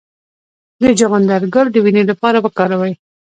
د چغندر ګل د وینې لپاره وکاروئ